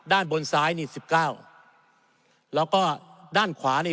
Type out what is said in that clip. ด้านบนซ้าย๑๙แล้วก็ด้านขวานี้